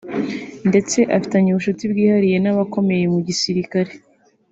ndetse afitanye ubucuti bwihariye n’abakomeye mu gisirikare